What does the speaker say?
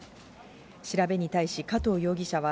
調べに対し加藤容疑者は、